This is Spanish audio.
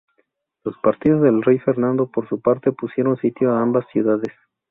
Los partidarios del rey Fernando, por su parte, pusieron sitio a ambas ciudades.